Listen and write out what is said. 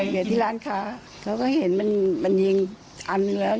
เดี๋ยวที่ร้านค้าเขาก็เห็นมันยิงอันหนึ่งแล้ว